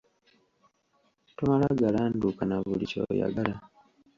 Tomala ‘galanduka’ na buli ky’oyagala.